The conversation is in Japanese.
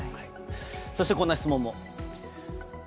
そしてこんな質問も。